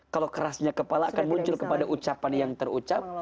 kalau kerasnya kepala akan muncul kepada ucapan yang terucap